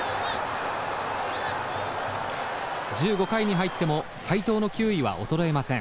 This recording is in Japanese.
１５回に入っても斎藤の球威は衰えません。